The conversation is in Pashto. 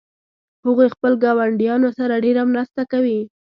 هغوی خپل ګاونډیانو سره ډیره مرسته کوي